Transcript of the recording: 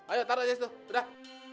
ayo taruh aja di situ udah